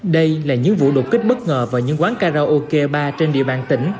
đây là những vụ đột kích bất ngờ vào những quán karaoke ba trên địa bàn tỉnh